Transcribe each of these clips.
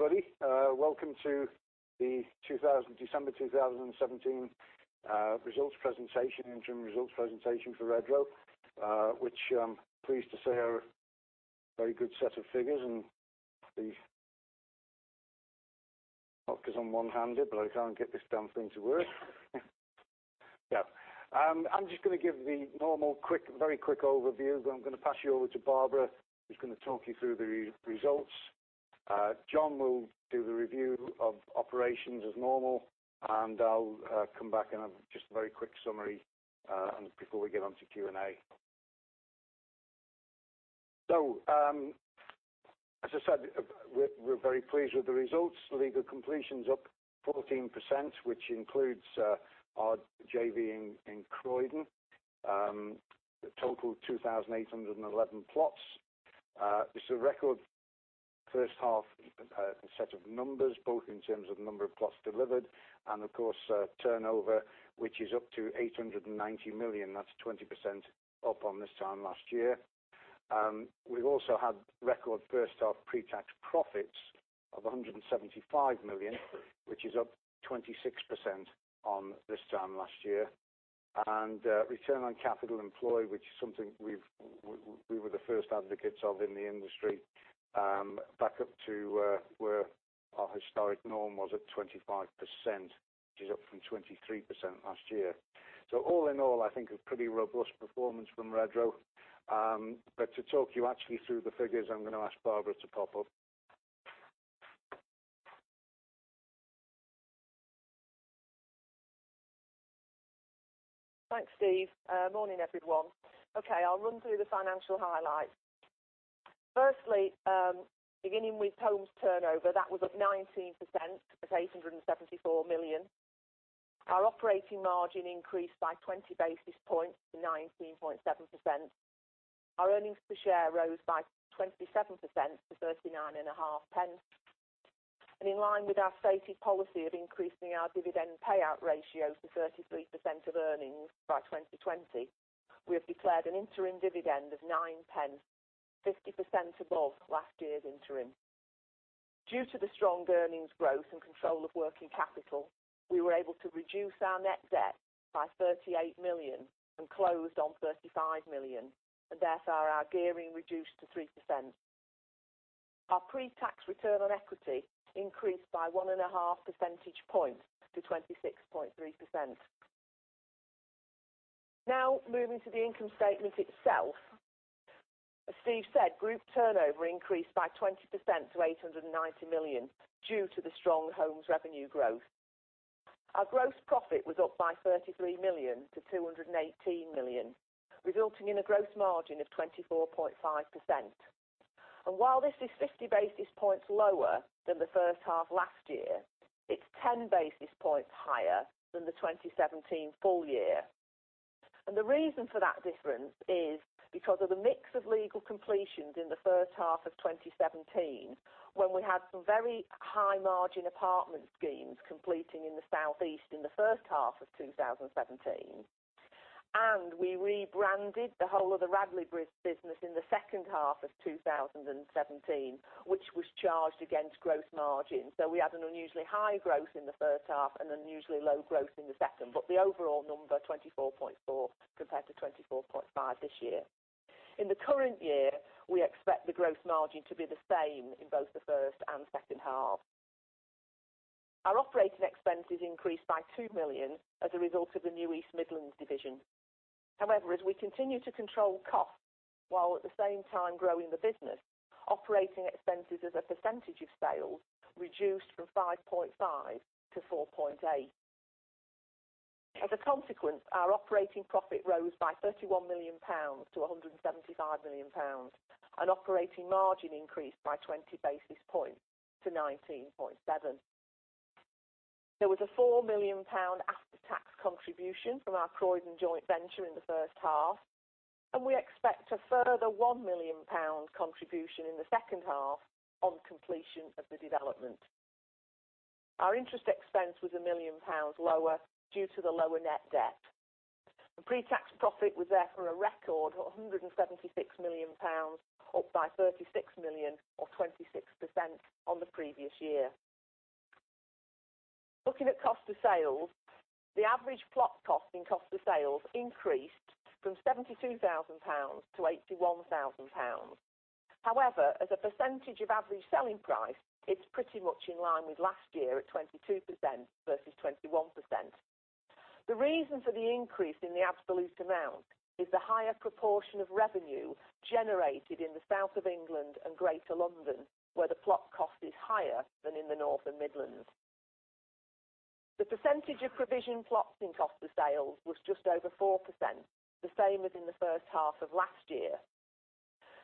Morning, everybody. Welcome to the December 2017 interim results presentation for Redrow, which I'm pleased to say are a very good set of figures, and the focus on one hand, but I can't get this damn thing to work. I'm just going to give the normal, very quick overview. I'm going to pass you over to Barbara, who's going to talk you through the results. John will do the review of operations as normal, I'll come back and have just a very quick summary before we get onto Q&A. As I said, we're very pleased with the results. Legal completions up 14%, which includes our JV in Croydon. Total of 2,811 plots. It's a record first half set of numbers, both in terms of number of plots delivered and, of course, turnover, which is up to 890 million. That's 20% up on this time last year. We've also had record first-half pre-tax profits of 175 million, which is up 26% on this time last year. Return on capital employed, which is something we were the first advocates of in the industry, back up to where our historic norm was at 25%, which is up from 23% last year. All in all, I think a pretty robust performance from Redrow. To talk you actually through the figures, I'm going to ask Barbara to pop up. Thanks, Steve. Morning, everyone. I'll run through the financial highlights. Firstly, beginning with homes turnover, that was up 19% at 874 million. Our operating margin increased by 20 basis points to 19.7%. Our earnings per share rose by 27% to 0.395. In line with our stated policy of increasing our dividend payout ratio to 33% of earnings by 2020, we have declared an interim dividend of 0.09, 50% above last year's interim. Due to the strong earnings growth and control of working capital, we were able to reduce our net debt by 38 million and closed on 35 million, and therefore our gearing reduced to 3%. Our pre-tax return on equity increased by 1.5 percentage points to 26.3%. Moving to the income statement itself. As Steve said, group turnover increased by 20% to 890 million due to the strong homes revenue growth. Our gross profit was up by 33 million to 218 million, resulting in a gross margin of 24.5%. While this is 50 basis points lower than the first half last year, it's 10 basis points higher than the 2017 full year. The reason for that difference is because of the mix of legal completions in the first half of 2017, when we had some very high margin apartment schemes completing in the southeast in the first half of 2017, and we rebranded the whole of the Radleigh Homes business in the second half of 2017, which was charged against gross margin. We had an unusually high growth in the first half and unusually low growth in the second. The overall number, 24.4% compared to 24.5% this year. In the current year, we expect the gross margin to be the same in both the first and second half. Our operating expenses increased by 2 million as a result of the new East Midlands division. As we continue to control costs while at the same time growing the business, operating expenses as a percentage of sales reduced from 5.5% to 4.8%. Our operating profit rose by 31 million pounds to 175 million pounds, and operating margin increased by 20 basis points to 19.7%. There was a 4 million pound after-tax contribution from our Croydon joint venture in the first half, and we expect a further 1 million pound contribution in the second half on completion of the development. Our interest expense was 1 million pounds lower due to the lower net debt. The pre-tax profit was therefore a record 176 million pounds, up by 36 million, or 26%, on the previous year. Looking at cost of sales, the average plot cost in cost of sales increased from 72,000 pounds to 81,000 pounds. As a percentage of average selling price, it's pretty much in line with last year at 22% versus 21%. The reason for the increase in the absolute amount is the higher proportion of revenue generated in the south of England and Greater London, where the plot cost is higher than in the north and Midlands. The percentage of provision plots in cost of sales was just over 4%, the same as in the first half of last year.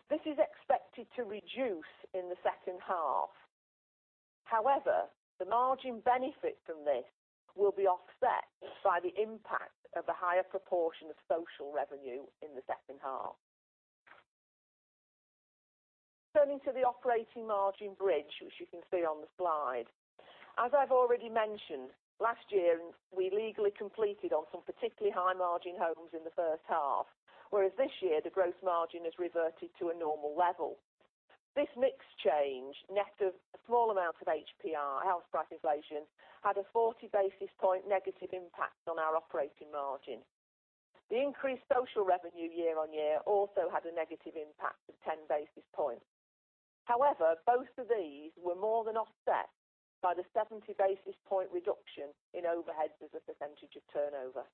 This is expected to reduce in the second half. The margin benefit from this will be offset by the impact of the higher proportion of social revenue in the second half. Turning to the operating margin bridge, which you can see on the slide. As I've already mentioned, last year we legally completed on some particularly high margin homes in the first half, whereas this year the growth margin has reverted to a normal level. This mix change, net of a small amount of HPI, House Price Inflation, had a 40 basis point negative impact on our operating margin. The increased social revenue year-on-year also had a negative impact of 10 basis points. Both of these were more than offset by the 70 basis point reduction in overheads as a percentage of turnover.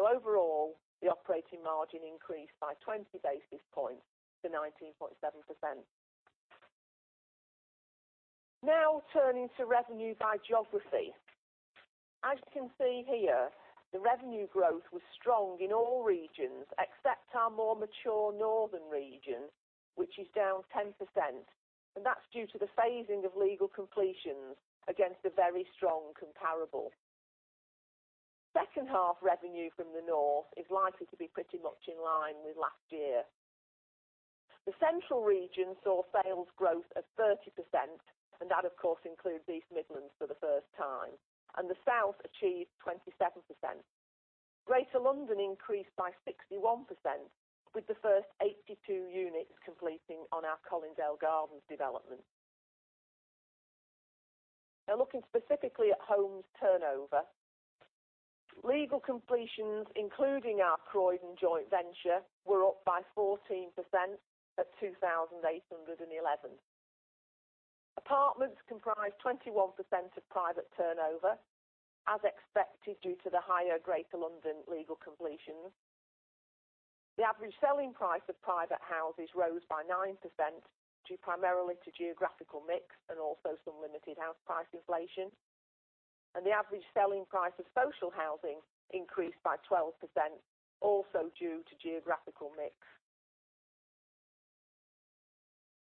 Overall, the operating margin increased by 20 basis points to 19.7%. Now turning to revenue by geography. The revenue growth was strong in all regions except our more mature northern region, which is down 10%, that's due to the phasing of legal completions against a very strong comparable. Second half revenue from the north is likely to be pretty much in line with last year. The central region saw sales growth of 30%, that of course includes East Midlands for the first time, the south achieved 27%. Greater London increased by 61%, with the first 82 units completing on our Colindale Gardens development. Now looking specifically at homes turnover. Legal completions, including our Croydon joint venture, were up by 14% at 2,811. Apartments comprised 21% of private turnover, as expected due to the higher Greater London legal completions. The average selling price of private houses rose by 9%, due primarily to geographical mix and also some limited house price inflation, and the average selling price of social housing increased by 12%, also due to geographical mix.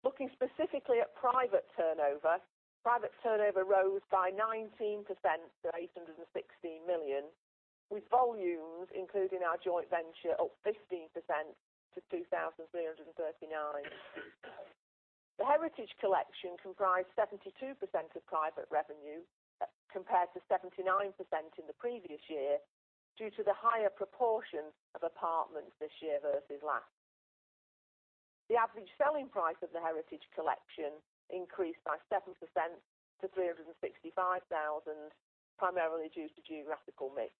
Looking specifically at private turnover, private turnover rose by 19% to 816 million, with volumes including our joint venture up 15% to 2,339. The Heritage Collection comprised 72% of private revenue, compared to 79% in the previous year, due to the higher proportion of apartments this year versus last. The average selling price of the Heritage Collection increased by 7% to 365,000, primarily due to geographical mix.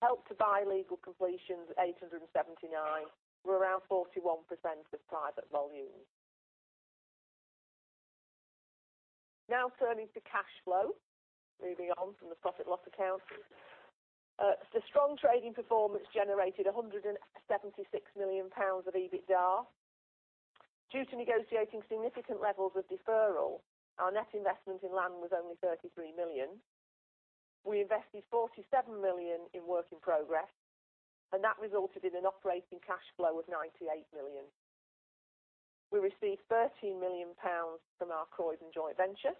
Help to Buy legal completions at 879 were around 41% of private volume. Now turning to cash flow. Moving on from the profit and loss account. The strong trading performance generated 176 million pounds of EBITDA. Due to negotiating significant levels of deferral, our net investment in land was only 33 million. We invested 47 million in work in progress, and that resulted in an operating cash flow of 98 million. We received 13 million pounds from our Croydon joint venture.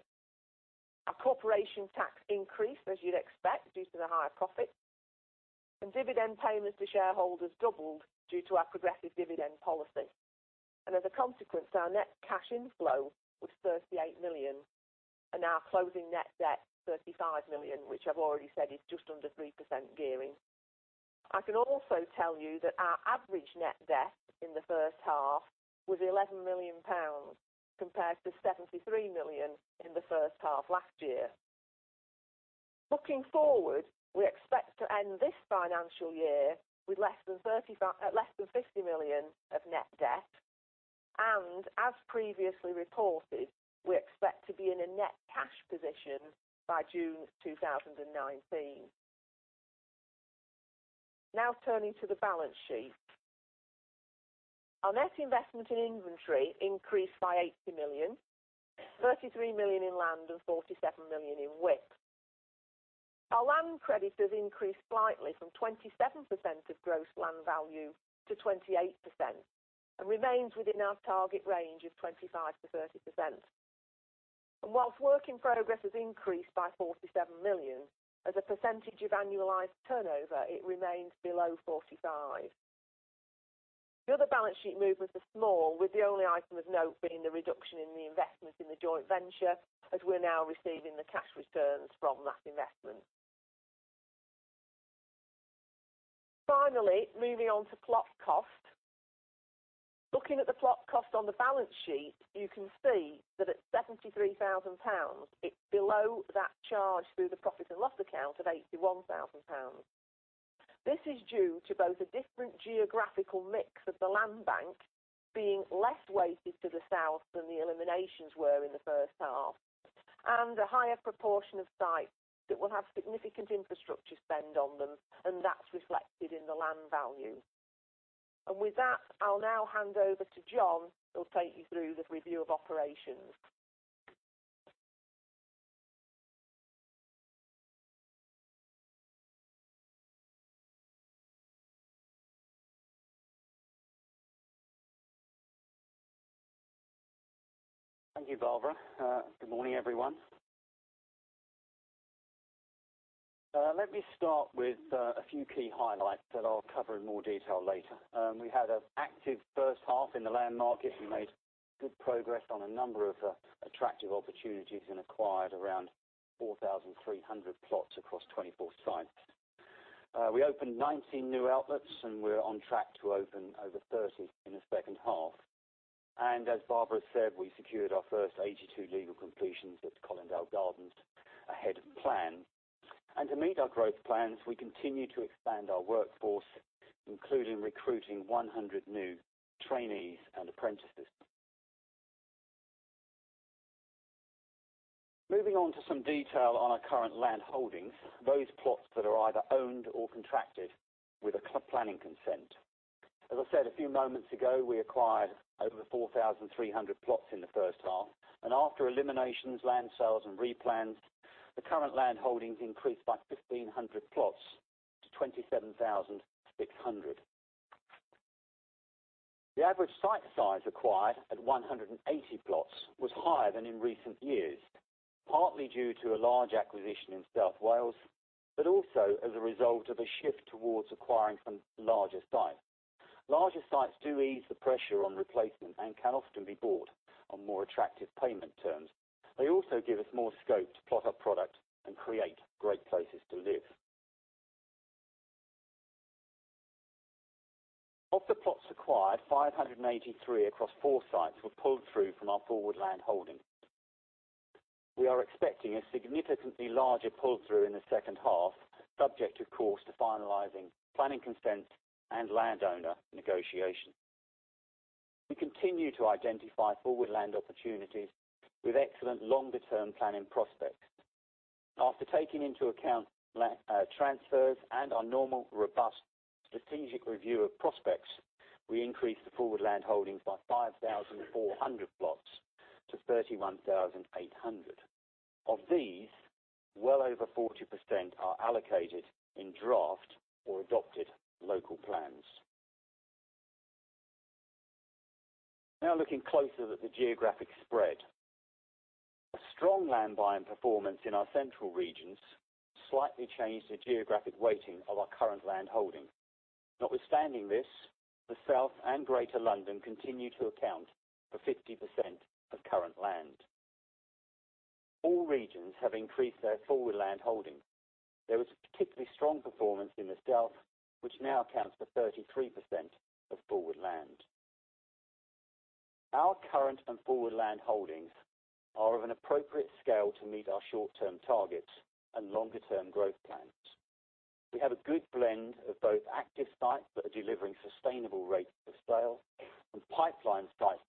Our corporation tax increased, as you'd expect due to the higher profit, and dividend payments to shareholders doubled due to our progressive dividend policy. As a consequence, our net cash inflow was 38 million, and our closing net debt 35 million, which I've already said is just under 3% gearing. I can also tell you that our average net debt in the first half was 11 million pounds compared to 73 million in the first half last year. Looking forward, we expect to end this financial year with less than 50 million of net debt, and as previously reported, we expect to be in a net cash position by June 2019. Now turning to the balance sheet. Our net investment in inventory increased by 80 million, 33 million in land, and 47 million in WIP. Our land credit has increased slightly from 27% of gross land value to 28%, and remains within our target range of 25%-30%. Whilst work in progress has increased by 47 million, as a percentage of annualized turnover, it remains below 45%. The other balance sheet movements are small, with the only item of note being the reduction in the investment in the joint venture, as we're now receiving the cash returns from that investment. Finally, moving on to plot cost. Looking at the plot cost on the balance sheet, you can see that at 73,000 pounds, it's below that charge through the profit and loss account at 81,000 pounds. This is due to both a different geographical mix of the land bank being less weighted to the south than the eliminations were in the first half, and a higher proportion of sites that will have significant infrastructure spend on them, and that's reflected in the land value. With that, I'll now hand over to John, who'll take you through the review of operations. Thank you, Barbara. Good morning, everyone. Let me start with a few key highlights that I'll cover in more detail later. We had an active first half in the land market. We made good progress on a number of attractive opportunities and acquired around 4,300 plots across 24 sites. We opened 19 new outlets, and we're on track to open over 30 in the second half. As Barbara said, we secured our first 82 legal completions at Colindale Gardens ahead of plan. To meet our growth plans, we continue to expand our workforce, including recruiting 100 new trainees and apprentices. Moving on to some detail on our current land holdings, those plots that are either owned or contracted with a planning consent. As I said a few moments ago, we acquired over 4,300 plots in the first half, and after eliminations, land sales, and replans, the current land holdings increased by 1,500 plots to 27,600. The average site size acquired at 180 plots was higher than in recent years, partly due to a large acquisition in South Wales, but also as a result of a shift towards acquiring some larger sites. Larger sites do ease the pressure on replacement and can often be bought on more attractive payment terms. They also give us more scope to plot our product and create great places to live. Of the plots acquired, 583 across four sites were pulled through from our forward land holdings. We are expecting a significantly larger pull-through in the second half, subject, of course, to finalizing planning consents and landowner negotiation. We continue to identify forward land opportunities with excellent longer-term planning prospects. After taking into account land transfers and our normal robust strategic review of prospects, we increased the forward land holdings by 5,400 plots to 31,800. Of these, well over 40% are allocated in draft or adopted local plans. Looking closer at the geographic spread. A strong land buying performance in our central regions slightly changed the geographic weighting of our current land holding. Notwithstanding this, the South and Greater London continue to account for 50% of current land. All regions have increased their forward land holding. There was a particularly strong performance in the South, which now accounts for 33% of forward land. Our current and forward land holdings are of an appropriate scale to meet our short-term targets and longer-term growth plans. We have a good blend of both active sites that are delivering sustainable rates of sale and pipeline sites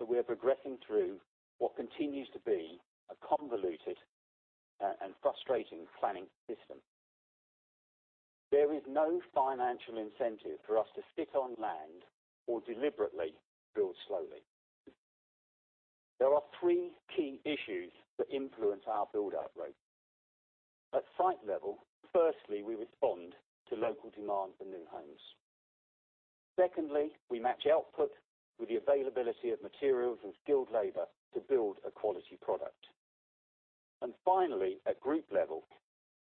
that we are progressing through what continues to be a convoluted and frustrating planning system. There is no financial incentive for us to sit on land or deliberately build slowly. There are three key issues that influence our build-out rate. At site level, firstly, we respond to local demand for new homes. Secondly, we match output with the availability of materials and skilled labor to build a quality product. Finally, at group level,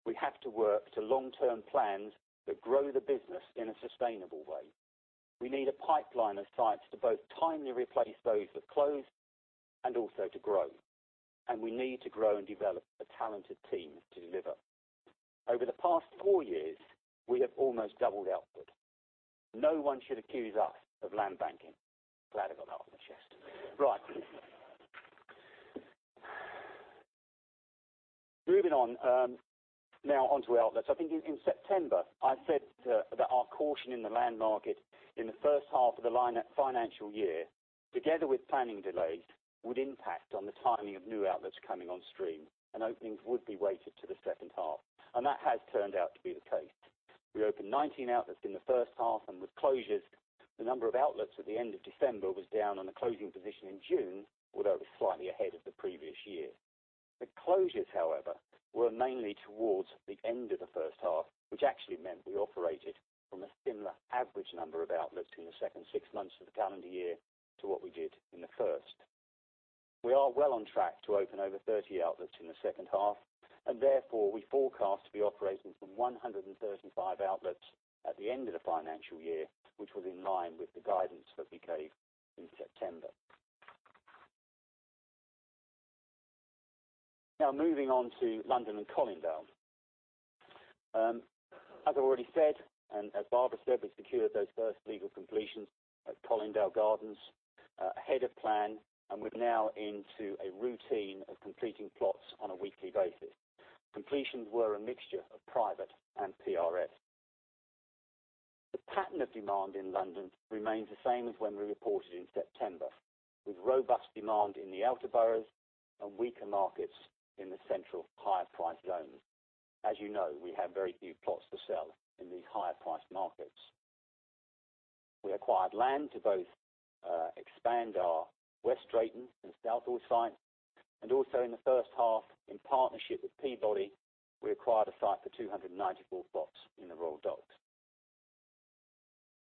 we have to work to long-term plans that grow the business in a sustainable way. We need a pipeline of sites to both timely replace those that close and also to grow. We need to grow and develop a talented team to deliver. Over the past four years, we have almost doubled output. No one should accuse us of land banking. Glad I got that off my chest. Moving on, now onto outlets. I think in September, I said that our caution in the land market in the first half of the financial year, together with planning delays, would impact on the timing of new outlets coming on stream, and openings would be weighted to the second half. That has turned out to be the case. We opened 19 outlets in the first half, and with closures, the number of outlets at the end of December was down on the closing position in June, although it was slightly ahead of the previous year. The closures, however, were mainly towards the end of the first half, which actually meant we operated from a similar average number of outlets in the second six months of the calendar year to what we did in the first. We are well on track to open over 30 outlets in the second half, and therefore, we forecast to be operating from 135 outlets at the end of the financial year, which was in line with the guidance that we gave in September. Moving on to London and Colindale. As I already said, and as Barbara said, we secured those first legal completions at Colindale Gardens ahead of plan, and we're now into a routine of completing plots on a weekly basis. Completions were a mixture of private and PRS. The pattern of demand in London remains the same as when we reported in September, with robust demand in the outer boroughs and weaker markets in the central higher price zones. As you know, we have very few plots to sell in these higher price markets. We acquired land to both expand our West Drayton and Southall site, and also in the first half in partnership with Peabody, we acquired a site for 294 plots in the Royal Docks.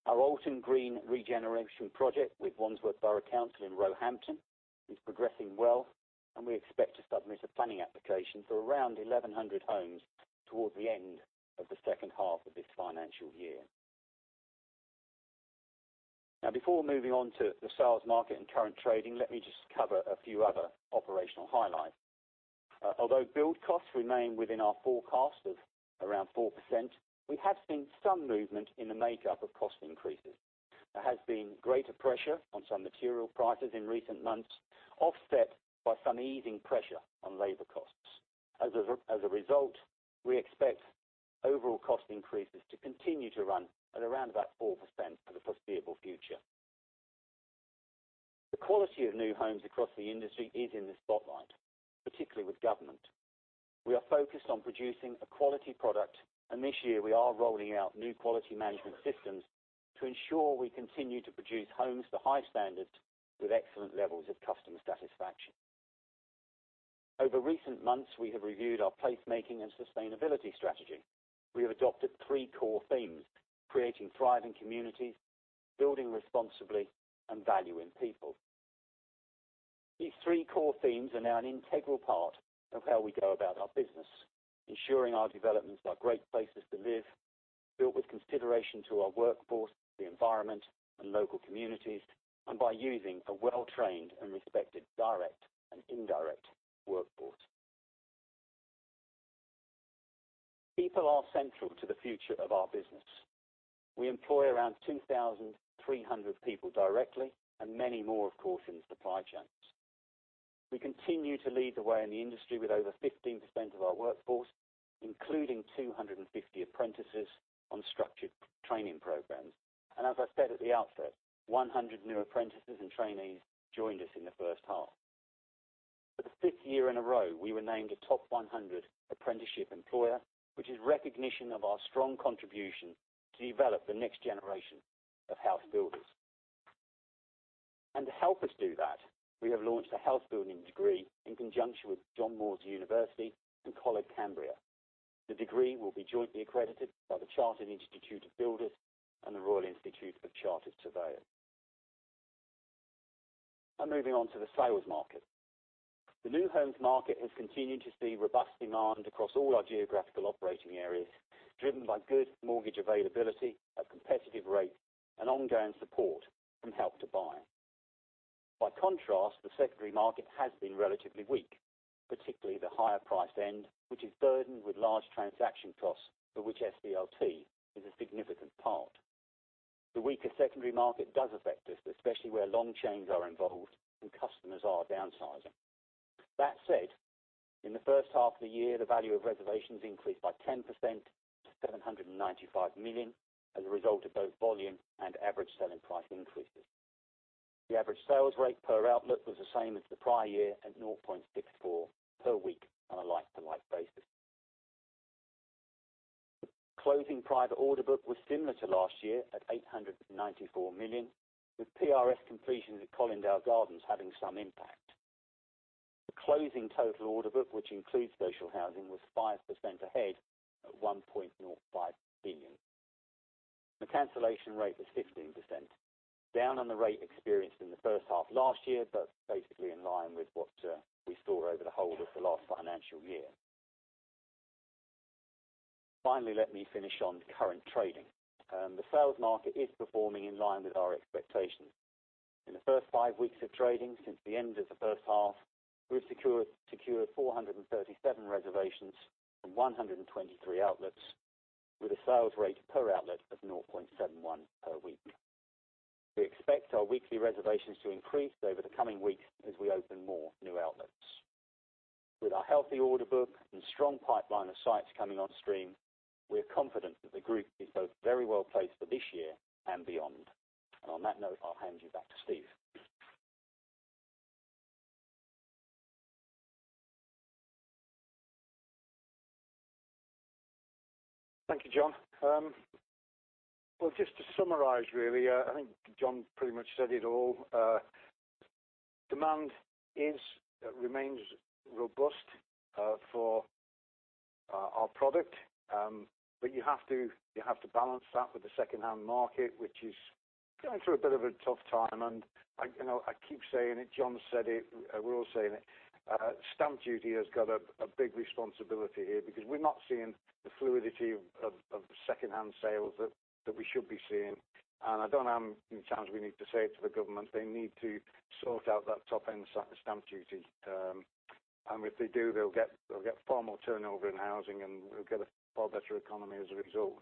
Our Alton Green regeneration project with Wandsworth Borough Council in Roehampton is progressing well, and we expect to submit a planning application for around 1,100 homes towards the end of the second half of this financial year. Before moving on to the sales market and current trading, let me just cover a few other operational highlights. Although build costs remain within our forecast of around 4%, we have seen some movement in the makeup of cost increases. There has been greater pressure on some material prices in recent months, offset by some easing pressure on labor costs. As a result, we expect overall cost increases to continue to run at around about 4% for the foreseeable future. The quality of new homes across the industry is in the spotlight, particularly with government. We are focused on producing a quality product, and this year we are rolling out new quality management systems to ensure we continue to produce homes to high standards with excellent levels of customer satisfaction. Over recent months, we have reviewed our placemaking and sustainability strategy. We have adopted three core themes: creating thriving communities, building responsibly, and valuing people. These three core themes are now an integral part of how we go about our business, ensuring our developments are great places to live, built with consideration to our workforce, the environment, and local communities, and by using a well-trained and respected direct and indirect workforce. People are central to the future of our business. We employ around 2,300 people directly and many more, of course, in the supply chains. We continue to lead the way in the industry with over 15% of our workforce, including 250 apprentices on structured training programs. As I said at the outset, 100 new apprentices and trainees joined us in the first half. For the fifth year in a row, we were named a Top 100 Apprenticeship Employer, which is recognition of our strong contribution to develop the next generation of house builders. To help us do that, we have launched a house building degree in conjunction with John Moores University and Coleg Cambria. The degree will be jointly accredited by the Chartered Institute of Builders and the Royal Institute of Chartered Surveyors. Moving on to the sales market. The new homes market has continued to see robust demand across all our geographical operating areas, driven by good mortgage availability at competitive rates, and ongoing support from Help to Buy. By contrast, the secondary market has been relatively weak, particularly the higher price end, which is burdened with large transaction costs, for which SDLT is a significant part. The weaker secondary market does affect us, especially where long chains are involved and customers are downsizing. That said, in the first half of the year, the value of reservations increased by 10% to 795 million as a result of both volume and average selling price increases. The average sales rate per outlet was the same as the prior year at 0.64 per week on a like-to-like basis. Closing private order book was similar to last year at 894 million, with PRS completions at Colindale Gardens having some impact. The closing total order book, which includes social housing, was 5% ahead at 1.05 billion. The cancellation rate was 15%, down on the rate experienced in the first half last year, but basically in line with what we saw over the whole of the last financial year. Finally, let me finish on current trading. The sales market is performing in line with our expectations. In the first five weeks of trading since the end of the first half, we've secured 437 reservations from 123 outlets, with a sales rate per outlet of 0.71 per week. We expect our weekly reservations to increase over the coming weeks as we open more new outlets. With our healthy order book and strong pipeline of sites coming on stream, we are confident that the group is both very well placed for this year and beyond. On that note, I'll hand you back to Steve. Thank you, John. Well, just to summarize, really, I think John pretty much said it all. Demand remains robust for our product, but you have to balance that with the secondhand market, which is going through a bit of a tough time. I keep saying it, John said it, we're all saying it. Stamp duty has got a big responsibility here because we're not seeing the fluidity of secondhand sales that we should be seeing. I don't know how many times we need to say it to the government. They need to sort out that top-end stamp duty. If they do, they'll get far more turnover in housing, and we'll get a far better economy as a result.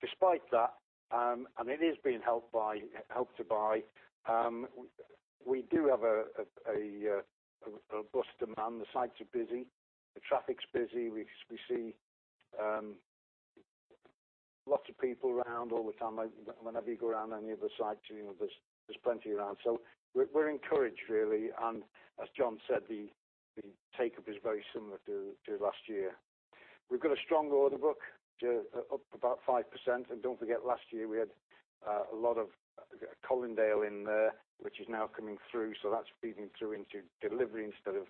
Despite that, it is being helped by Help to Buy, we do have a robust demand. The sites are busy. The traffic's busy. We see lots of people around all the time. Whenever you go around any of the sites, there's plenty around. We're encouraged, really. As John said, the take-up is very similar to last year. We've got a strong order book, up about 5%. Don't forget, last year, we had a lot of Colindale in there, which is now coming through. That's feeding through into delivery instead of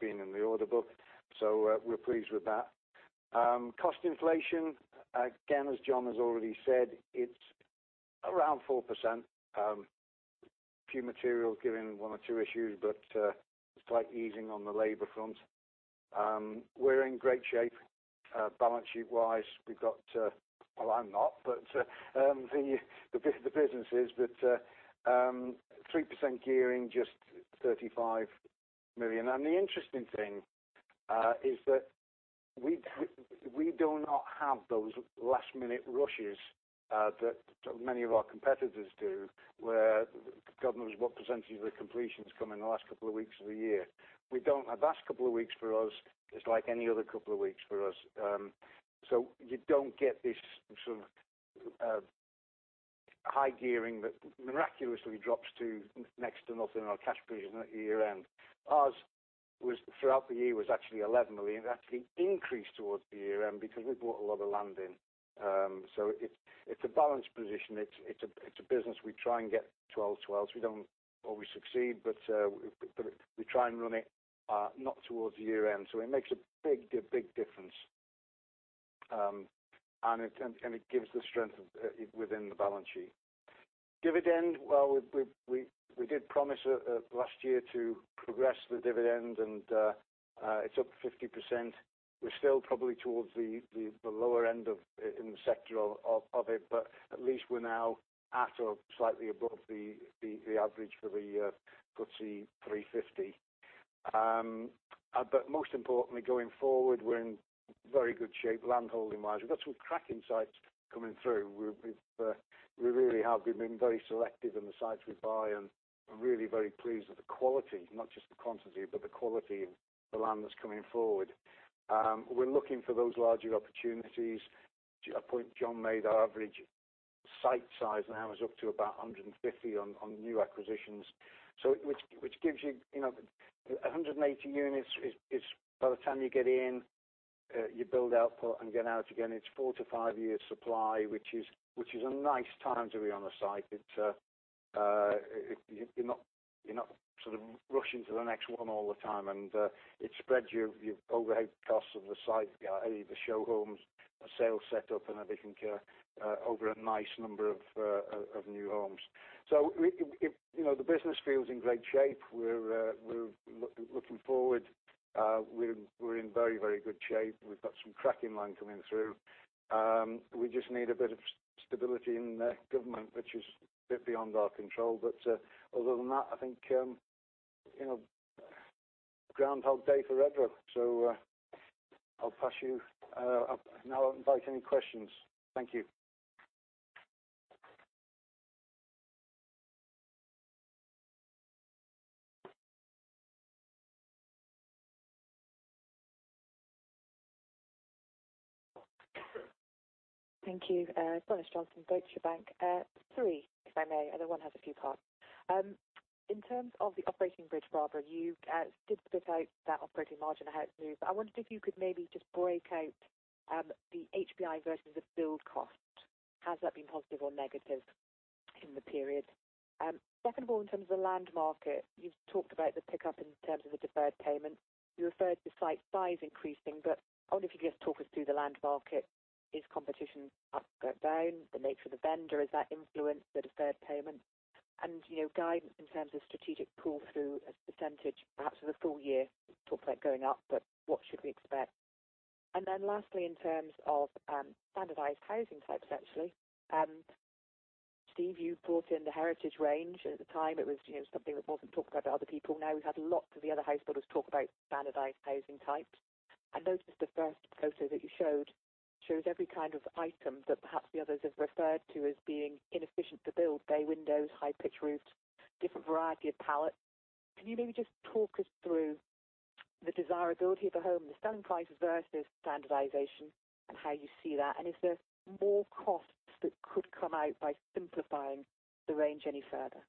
being in the order book. We're pleased with that. Cost inflation, again, as John has already said, it's around 4%. A few materials giving one or two issues, but a slight easing on the labor front. We're in great shape balance sheet-wise. Well, I'm not, but the business is. 3% gearing, just 35 million. The interesting thing is that we do not have those last-minute rushes that many of our competitors do, where God knows what percentage of the completions come in the last couple of weeks of the year. Last couple of weeks for us is like any other couple of weeks for us. You don't get this sort of high gearing that miraculously drops to next to nothing on our cash position at year-end. Ours, throughout the year, was actually 11 million. It actually increased towards the year-end because we bought a lot of land then. It's a balanced position. It's a business. We try and get 12s. We don't always succeed, but we try and run it not towards the year-end. It makes a big difference, and it gives the strength within the balance sheet. Dividend, well, we did promise last year to progress the dividend, it's up 50%. We're still probably towards the lower end in the sector of it, but at least we're now at or slightly above the average for the FTSE 350. Most importantly, going forward, we're in very good shape land holding-wise. We've got some cracking sites coming through. We really have. We've been very selective in the sites we buy, and I'm really very pleased with the quality, not just the quantity, but the quality of the land that's coming forward. We're looking for those larger opportunities. A point John made, our average site size now is up to about 150 on new acquisitions. Which gives you 180 units. By the time you get in, you build output and get out again, it's four to five years supply, which is a nice time to be on a site. You're not sort of rushing to the next one all the time, and it spreads your overhead costs of the site, i.e. the show homes, the sales set up and everything, over a nice number of new homes. The business feels in great shape. We're looking forward. We're in very, very good shape. We've got some cracking land coming through. We just need a bit of stability in the government, which is a bit beyond our control. Other than that, I think Groundhog Day for Redrow. I'll pass you. Now I'll invite any questions. Thank you. Thank you. Bronagh Johnston, Deutsche Bank. Three, if I may, and then one has a few parts. In terms of the operating bridge, Barbara, you did split out that operating margin, how it moved, but I wondered if you could maybe just break out the HPI versus the build cost. Has that been positive or negative in the period? Second of all, in terms of the land market, you've talked about the pickup in terms of the deferred payment. You referred to site size increasing, but I wonder if you could just talk us through the land market. Is competition up, going down? The nature of the vendor, has that influenced the deferred payment? And guidance in terms of strategic pull through as a percentage, perhaps for the full year. You talked about it going up, but what should we expect? Lastly, in terms of standardized housing types, actually. Steve, you brought in the Heritage range. At the time, it was something that wasn't talked about by other people. Now we've had lots of the other house builders talk about standardized housing types. I noticed the first photo that you showed shows every kind of item that perhaps the others have referred to as being inefficient to build: bay windows, high-pitch roofs, different variety of palette. Can you maybe just talk us through the desirability of a home, the selling prices versus standardization and how you see that? Is there more costs that could come out by simplifying the range any further?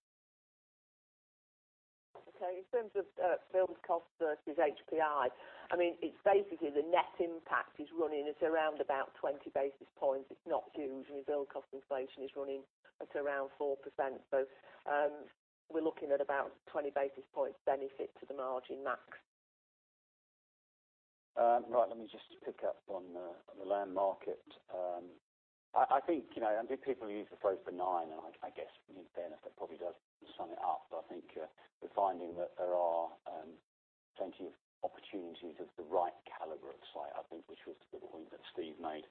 Okay. In terms of build cost versus HPI, it's basically the net impact is running at around about 20 basis points. It's not huge. Your build cost inflation is running at around 4%. We're looking at about 20 basis points benefit to the margin max. Let me just pick up on the land market. I think people use the phrase benign, and I guess in fairness, that probably does sum it up. I think we're finding that there are plenty of opportunities of the right caliber of site, I think, which was to the point that Steve made.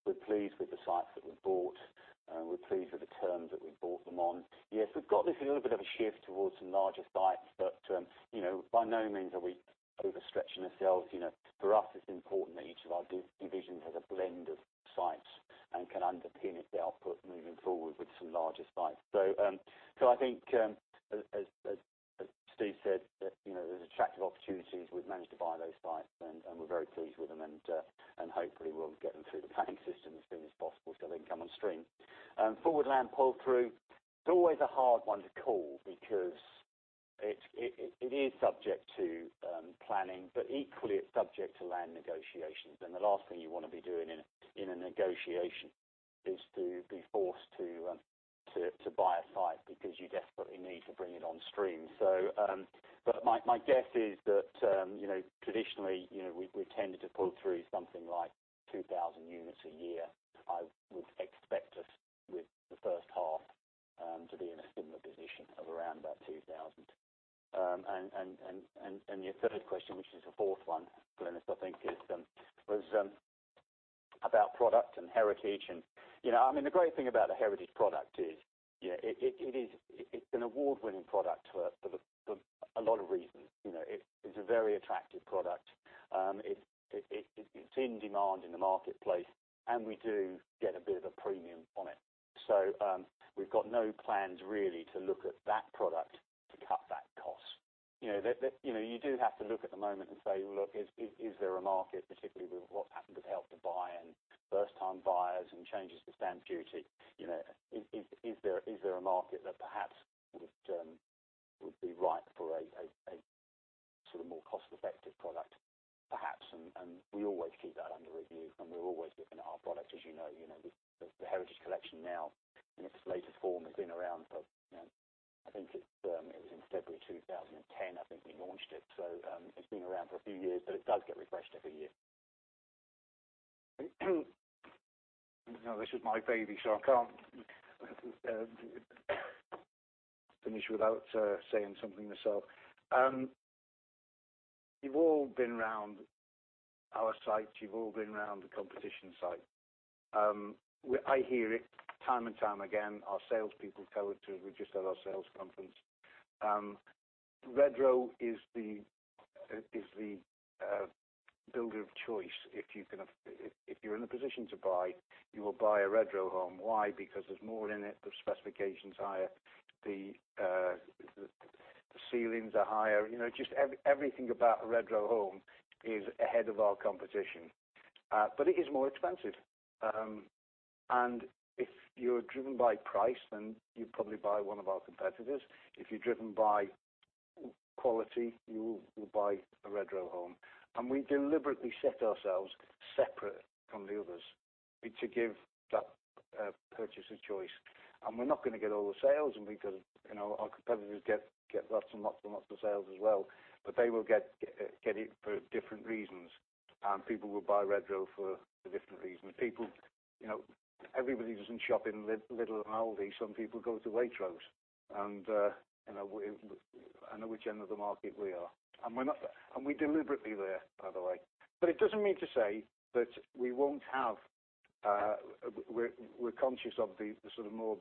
We're pleased with the sites that we bought. We're pleased with the terms that we bought them on. Yes, we've got this a little bit of a shift towards some larger sites, but by no means are we overstretching ourselves. For us, it's important that each of our divisions has a blend of sites and can underpin its output moving forward with some larger sites. I think, as Steve said, there's attractive opportunities. We've managed to buy those sites, and we're very pleased with them, and hopefully, we'll get them through the planning system as soon as possible so they can come on stream. Forward land pull through, it's always a hard one to call because It is subject to planning, but equally, it's subject to land negotiations. The last thing you want to be doing in a negotiation is to be forced to buy a site because you desperately need to bring it on stream. My guess is that traditionally, we tended to pull through something like 2,000 units a year. I would expect us with the first half to be in a similar position of around about 2,000. Your third question, which is the fourth one, Bronagh, I think, was about product and Heritage. The great thing about the Heritage product is it's an award-winning product for a lot of reasons. It's a very attractive product. It's in demand in the marketplace, and we do get a bit of a premium on it. We've got no plans really to look at that product to cut that cost. You do have to look at the moment and say, "Look, is there a market, particularly with what's happened with Help to Buy and first-time buyers and changes to stamp duty? Is there a market that perhaps would be right for a more cost-effective product perhaps?" We always keep that under review, and we're always looking at our product, as you know. The Heritage Collection now, in its latest form, has been around for, I think it was in February 2010, I think we launched it. It's been around for a few years, but it does get refreshed every year. I can't finish without saying something myself. You've all been around our sites. You've all been around the competition sites. I hear it time and time again. Our salespeople tell it to us. We just had our sales conference. Redrow is the builder of choice. If you're in a position to buy, you will buy a Redrow home. Why? Because there's more in it, the specification's higher, the ceilings are higher. Just everything about a Redrow home is ahead of our competition. It is more expensive. If you're driven by price, then you'd probably buy one of our competitors. If you're driven by quality, you will buy a Redrow home. We deliberately set ourselves separate from the others to give that purchaser choice. We're not going to get all the sales because our competitors get lots and lots and lots of sales as well, but they will get it for different reasons. People will buy Redrow for different reasons. Everybody doesn't shop in Lidl and Aldi. Some people go to Waitrose. I know which end of the market we are. We're deliberately there, by the way. It doesn't mean to say that we're conscious of the more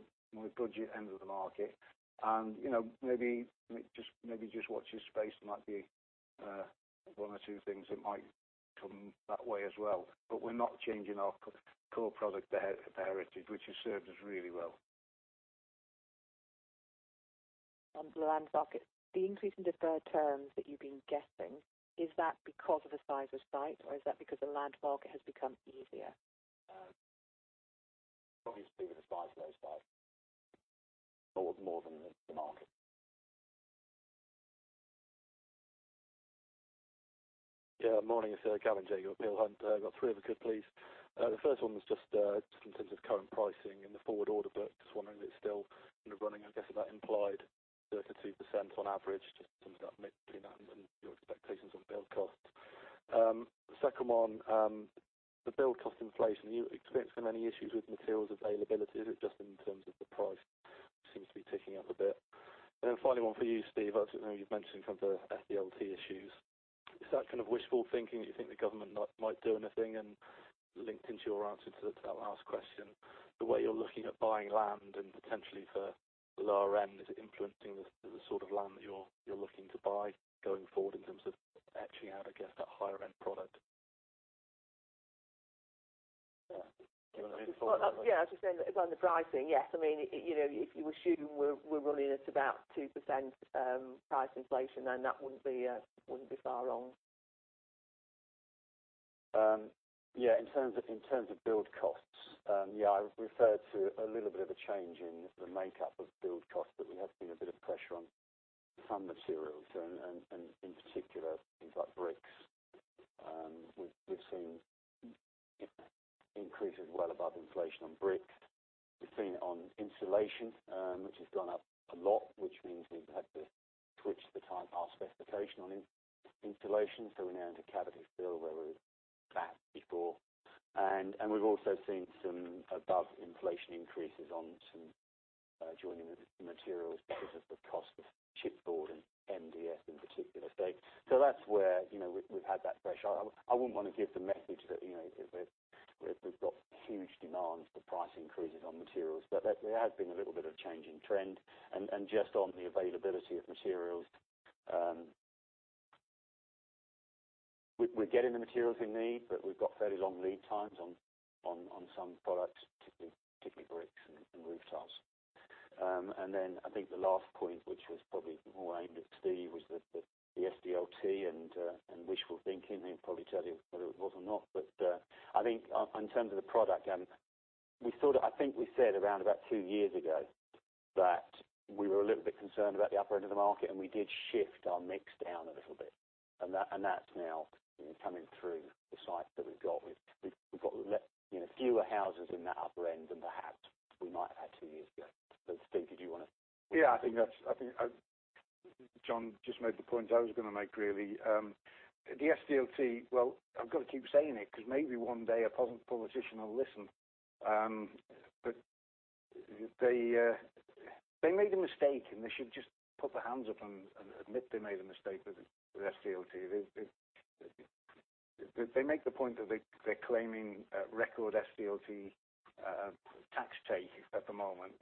budget end of the market. Maybe just watch this space. There might be one or two things that might come that way as well. We're not changing our core product, the Heritage, which has served us really well. On the land market, the increase in deferred terms that you've been getting, is that because of the size of site, or is that because the land market has become easier? Obviously, because the size of those sites. More than the market. Morning. It's Gavin Jago at Peel Hunt. I've got three if I could, please. The first one was just in terms of current pricing in the forward order book. Just wondering if it's still running. I guess that implied 32% on average, just in terms of between that and your expectations on build costs. Second one, the build cost inflation. Are you experiencing any issues with materials availability? Is it just in terms of the price seems to be ticking up a bit. Finally, one for you, Steve. I just know you've mentioned some of the SDLT issues. Is that kind of wishful thinking that you think the government might do anything? Linked into your answer to that last question, the way you're looking at buying land and potentially for the lower end, is it influencing the sort of land that you're looking to buy going forward in terms of etching out, I guess, that higher-end product? Do you want to answer that? Yeah. I was just saying that on the pricing, yes. If you assume we're running at about 2% price inflation, that wouldn't be far wrong. Yeah. In terms of build costs. Yeah, I referred to a little bit of a change in the makeup of build costs, that we have seen a bit of pressure on some materials, and in particular, things like bricks. We've seen increases well above inflation on bricks. We've seen it on insulation, which has gone up a lot, which means we've had to twitch our specification on insulation. We're now into cavity fill, where we were batts before. We've also seen some above-inflation increases on some joining materials because of the cost of chipboard and MDF in particular, Steve. That's where we've had that pressure. I wouldn't want to give the message that we've got huge demands for price increases on materials, there has been a little bit of change in trend. Just on the availability of materials, we're getting the materials we need, but we've got fairly long lead times on some products, particularly bricks and roof tiles. Then I think the last point, which was probably more aimed at Steve thinking. He can probably tell you whether it was or not. I think in terms of the product, I think we said around about two years ago that we were a little bit concerned about the upper end of the market, and we did shift our mix down a little bit. That's now coming through the sites that we've got. We've got fewer houses in that upper end than perhaps we might have had two years ago. Steve, did you want to- Yeah. I think John just made the point I was going to make, really. The SDLT, well, I've got to keep saying it because maybe one day a politician will listen. They made a mistake, and they should just put their hands up and admit they made a mistake with SDLT. They make the point that they're claiming record SDLT tax take at the moment.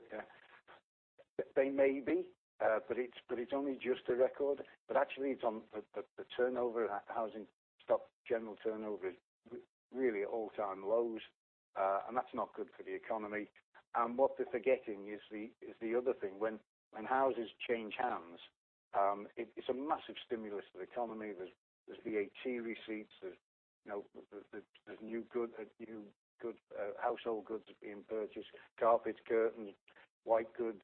They may be, but it's only just a record. Actually, the turnover, housing stock general turnover is really at all-time lows, and that's not good for the economy. What they're forgetting is the other thing. When houses change hands, it's a massive stimulus to the economy. There are VAT receipts. There's new household goods being purchased, carpets, curtains, white goods,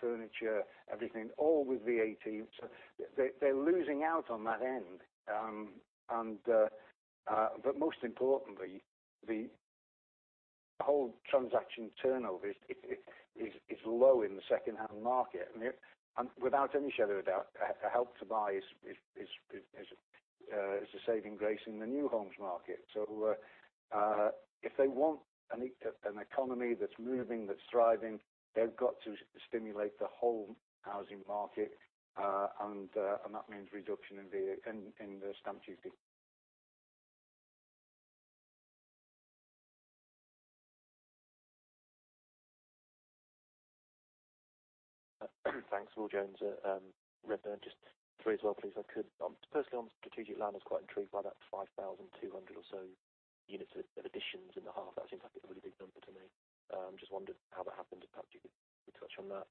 furniture, everything, all with VAT. They're losing out on that end. Most importantly, the whole transaction turnover is low in the secondhand market. Without any shadow of a doubt, Help to Buy is the saving grace in the new homes market. If they want an economy that's moving, that's thriving, they've got to stimulate the whole housing market, and that means reduction in the stamp duty. Thanks. Will Jones at Redburn. Three as well, please, if I could. Personally, on strategic land, I was quite intrigued by that 5,200 or so units of additions in the half. That seems like a really big number to me. Wondered how that happened. Perhaps you could touch on that.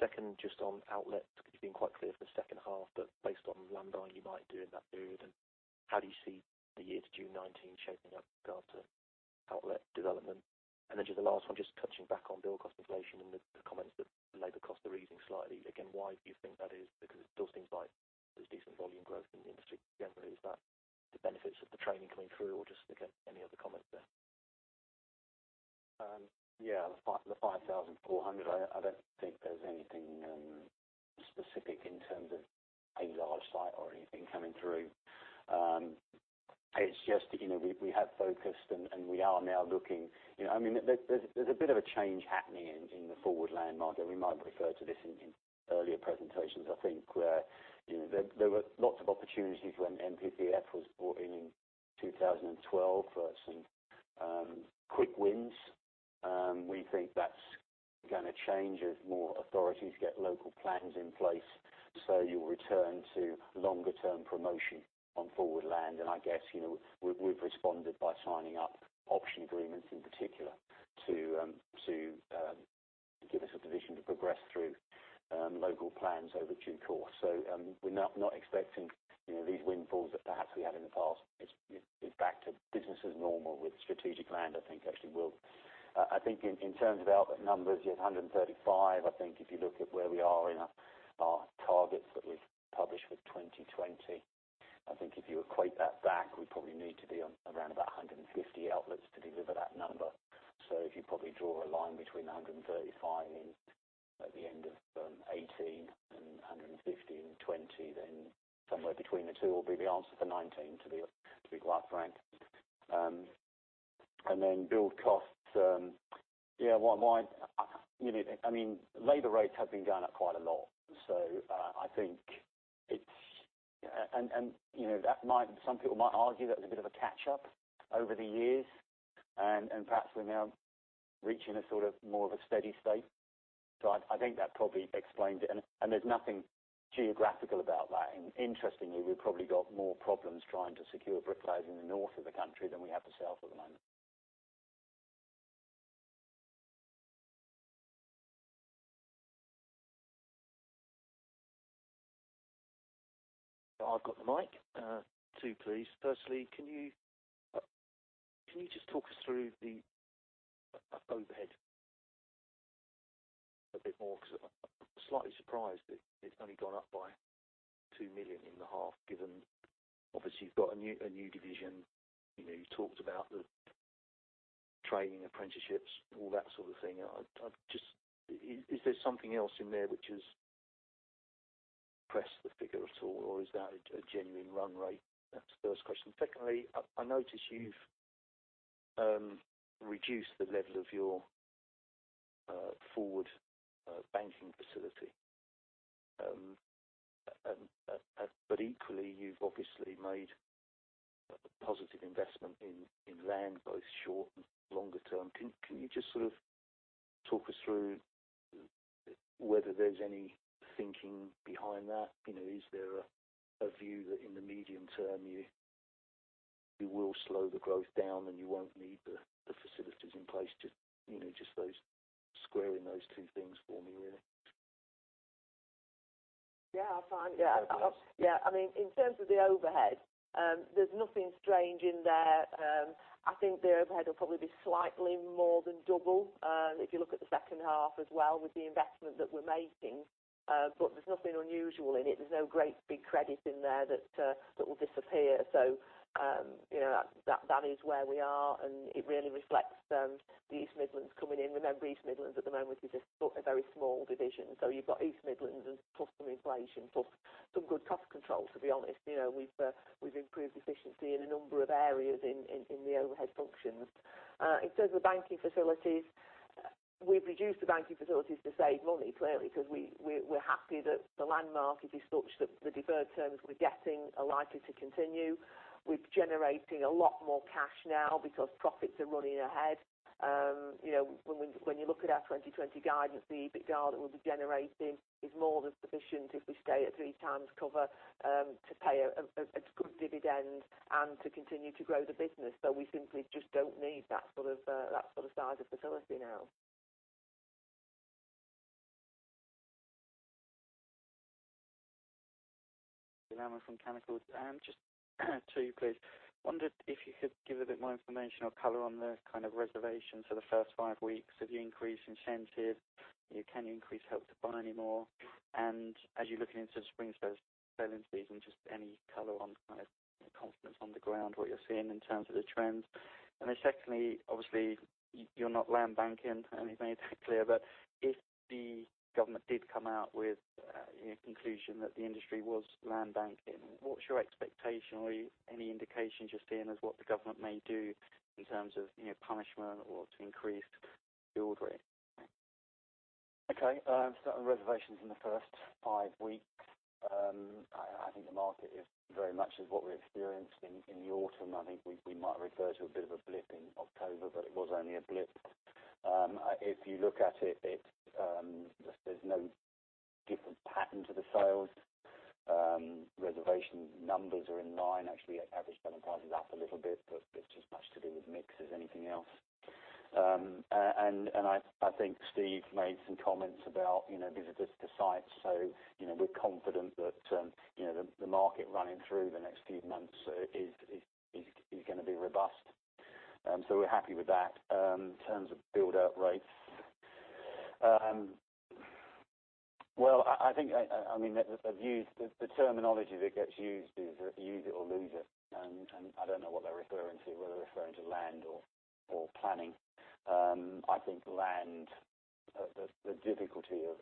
Second, on outlets, because you've been quite clear for the second half, but based on land buying you might do in that period, how do you see the year to June 2019 shaping up as regards to outlet development? The last one, touching back on build cost inflation and the comments that labor costs are easing slightly. Why do you think that is? It does seem like there's decent volume growth in the industry generally. Is that the benefits of the training coming through or any other comments there? The 5,400. I don't think there's anything specific in terms of a large site or anything coming through. We have focused and we are now looking. There's a bit of a change happening in the forward land market. We might refer to this in earlier presentations. I think there were lots of opportunities when NPPF was brought in in 2012 for some quick wins. We think that's going to change as more authorities get local plans in place. You'll return to longer-term promotion on forward land, and I guess we've responded by signing up option agreements in particular to give us a division to progress through local plans over due course. We're not expecting these windfalls that perhaps we had in the past. It's back to business as normal with strategic land, I think, actually, Will. I think in terms of outlet numbers, you had 135. I think if you look at where we are in our targets that we've published with 2020, I think if you equate that back, we probably need to be on around about 150 outlets to deliver that number. If you probably draw a line between 135 at the end of 2018 and 150 in 2020, then somewhere between the two will be the answer for 2019, to be quite frank. Build costs. Labor rates have been going up quite a lot. Some people might argue that was a bit of a catch-up over the years, and perhaps we're now reaching a sort of more of a steady state. I think that probably explains it. There's nothing geographical about that. We've probably got more problems trying to secure bricklayers in the north of the country than we have the south at the moment. I've got the mic. Two, please. Firstly, can you just talk us through the overhead a bit more? I'm slightly surprised that it's only gone up by 2 million in the half, given obviously you've got a new division. You talked about the training, apprenticeships, all that sort of thing. Is there something else in there which has suppressed the figure at all, or is that a genuine run rate? That's the first question. Secondly, I notice you've reduced the level of your forward banking facility. Equally, you've obviously made a positive investment in land, both short and longer term. Can you just sort of talk us through whether there's any thinking behind that? Is there a view that in the medium term you will slow the growth down, and you won't need the facilities in place? Just squaring those two things for me, really. I find. In terms of the overhead, there's nothing strange in there. I think the overhead will probably be slightly more than double. If you look at the second half as well with the investment that we're making. There's nothing unusual in it. There's no great big credit in there that will disappear. That is where we are, and it really reflects the East Midlands coming in. Remember, East Midlands at the moment is a very small division. You've got East Midlands and plus some inflation, plus some good cost control, to be honest. We've improved efficiency in a number of areas in the overhead functions. In terms of banking facilities, we've reduced the banking facilities to save money, clearly, because we're happy that the land market is such that the deferred terms we're getting are likely to continue. We're generating a lot more cash now because profits are running ahead. When you look at our 2020 guidance, the EBITDA that we'll be generating is more than sufficient if we stay at three times cover, to pay a good dividend and to continue to grow the business. We simply just don't need that sort of size of facility now. Lammas from Canaccord Genuity. Just two, please. Wondered if you could give a bit more information or color on the kind of reservations for the first five weeks. Have you increased incentives? Can you increase Help to Buy any more? As you're looking into the spring selling season, just any color on kind of the confidence on the ground, what you're seeing in terms of the trends. Secondly, obviously, you're not land banking. You've made that clear. If the government did come out with a conclusion that the industry was land banking, what's your expectation or any indication you're seeing as what the government may do in terms of punishment or to increase build rates? Okay. Starting with reservations in the first five weeks. I think the market is very much as what we experienced in the autumn. I think we might refer to a bit of a blip in October, but it was only a blip. If you look at it, there's no different pattern to the sales. Reservation numbers are in line. Actually, average selling price is up a little bit, but it's as much to do with mix as anything else. I think Steve made some comments about visitors to sites. We're confident that the market running through the next few months is going to be robust. We're happy with that. In terms of build out rates. I think, the terminology that gets used is use it or lose it, and I don't know what they're referring to. Whether they're referring to land or planning. I think land, the difficulty of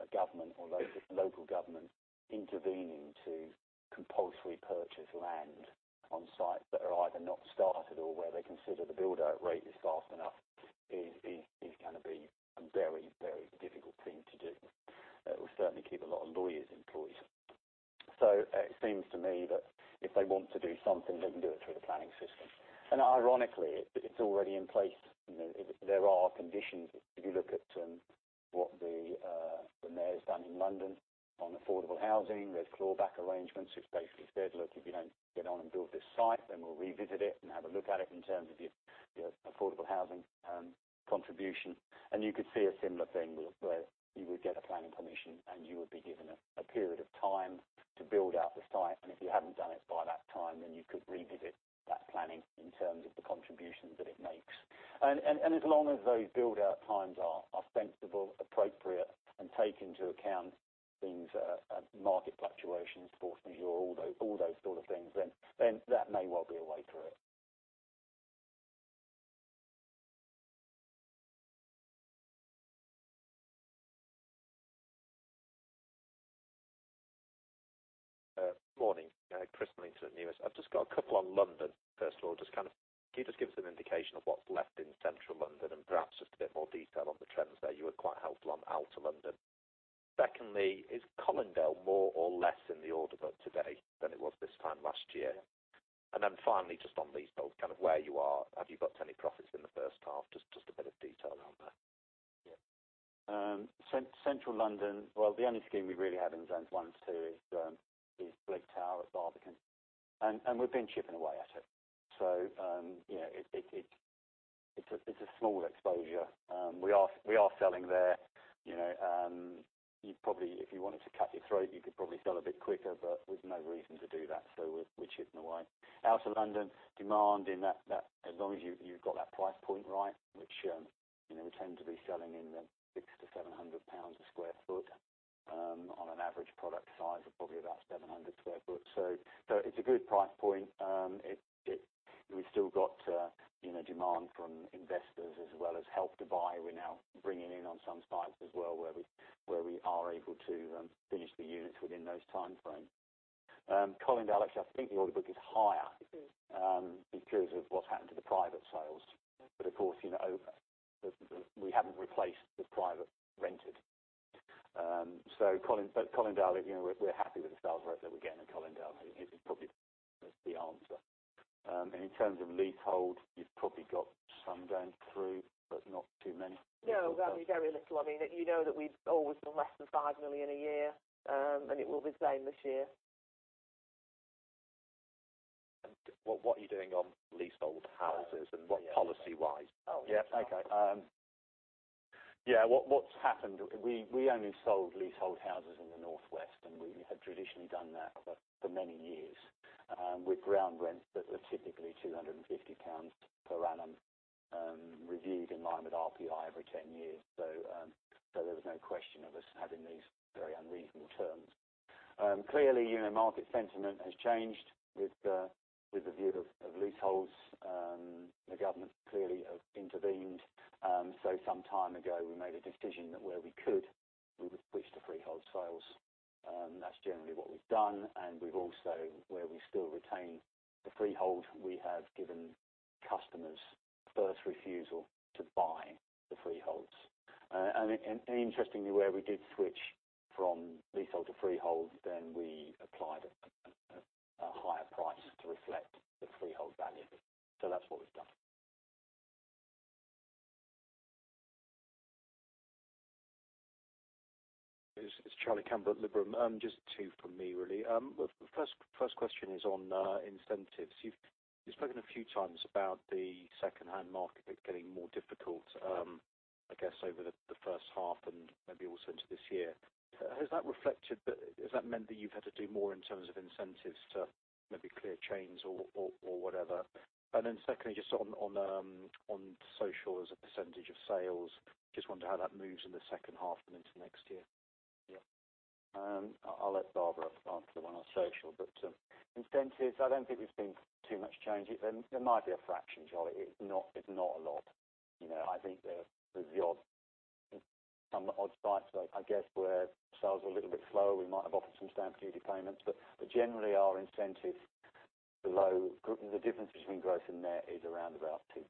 a government or local government intervening to compulsorily purchase land on sites that are either not started or where they consider the build out rate is fast enough is going to be a very, very difficult thing to do. It will certainly keep a lot of lawyers employed. It seems to me that if they want to do something, they can do it through the planning system. Ironically, it's already in place. There are conditions. If you look at what the mayor's done in London on affordable housing. They have clawback arrangements which basically said, look, if you don't get on and build this site, then we'll revisit it and have a look at it in terms of your affordable housing contribution. You could see a similar thing where you would get a planning permission, and you would be given a period of time to build out the site, and if you haven't done it by that time, then you could revisit that planning in terms of the contributions that it makes. As long as those build-out times are sensible, appropriate, and take into account things like market fluctuations, Portsmouth, all those sort of things, then that may well be a way through it. Morning. Chris Billings with Numis. I've just got a couple on London. First of all, can you just give us an indication of what's left in Central London and perhaps just a bit more detail on the trends there? You were quite helpful on Outer London. Secondly, is Colindale more or less in the order book today than it was this time last year? Finally, just on leasehold, kind of where you are. Have you booked any profits in the first half? Just a bit of detail on that. Yeah. Central London, well, the only scheme we really have in Zone 1, 2 is Blake Tower at Barbican. We've been chipping away at it. It's a small exposure. We are selling there. If you wanted to cut your throat, you could probably sell a bit quicker, but there's no reason to do that. We're chipping away. Outer London demand in that, as long as you've got that price point right, which we tend to be selling in the 600-700 pounds a sq ft on an average product size of probably about 700 sq ft. It's a good price point. We've still got demand from investors as well as Help to Buy. We're now bringing in on some sites as well where we are able to finish the units within those time frames. Colindale, actually, I think the order book is higher because of what's happened to the private sales. Of course, we haven't replaced the private rented. Colindale, we're happy with the sales rate that we're getting in Colindale. I think it's probably the answer. In terms of leasehold, you've probably got some going through, but not too many. No, very little. You know that we've always done less than 5 million a year, and it will be the same this year. What are you doing on leasehold houses and what policy-wise? Yeah, okay. What's happened, we only sold leasehold houses in the Northwest, and we had traditionally done that for many years with ground rents that were typically 250 pounds per annum, reviewed in line with RPI every 10 years. There was no question of us having these very unreasonable terms. Clearly, market sentiment has changed with the view of leaseholds. The government clearly have intervened. Some time ago, we made a decision that where we could, we would switch to freehold sales. That's generally what we've done, and we've also, where we still retain the freehold, we have given customers first refusal to buy the freeholds. Interestingly, where we did switch from leasehold to freehold, then we applied a higher price to reflect the freehold value. That's what we've done. It's Charlie Campbell at Liberum. Just two from me, really. The first question is on incentives. You've spoken a few times about the second-hand market getting more difficult, I guess over the first half and maybe also into this year. Has that meant that you've had to do more in terms of incentives to maybe clear chains or whatever? Secondly, just on social as a percentage of sales, just wonder how that moves in the second half and into next year. Yeah. I'll let Barbara answer the one on social, but incentives, I don't think we've seen too much change. There might be a fraction, Charlie. It's not a lot. I think there's the odd site, I guess, where sales are a little bit slower, we might have offered some stamp duty payments, but generally, our incentive below the difference between gross and net is around about 2%.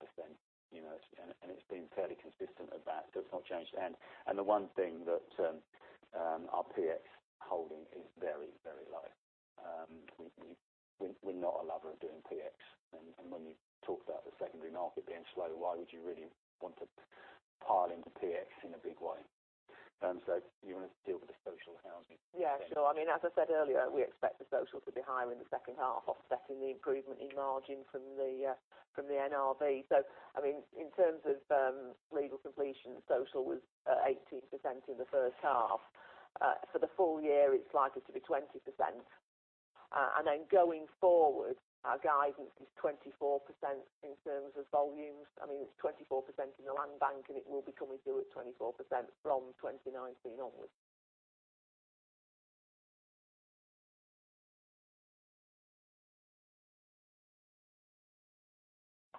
It's been fairly consistent at that, so it's not changed. The one thing that our PX holding is very, very low. We're not a lover of doing PX. When you talk about the secondary market being slow, why would you really want to pile into PX in a big way? You want to deal with the social housing. Yeah, sure. As I said earlier, we expect the social to be higher in the second half, offsetting the improvement in margin from the NRV. In terms of legal completion, social was 18% in the first half. For the full year, it's likely to be 20%. Going forward, our guidance is 24% in terms of volumes. It's 24% in the land bank, and it will be coming through at 24% from 2019 onwards.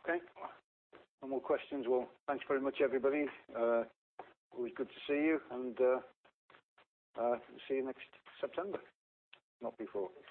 Okay. No more questions. Well, thanks very much, everybody. Always good to see you, and see you next September. Not before.